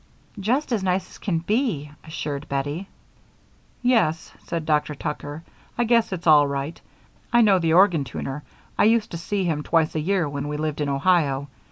"Just as nice as can be," assured Bettie. "Yes," said Dr. Tucker, "I guess it's all right. I know the organ tuner I used to see him twice a year when we lived in Ohio.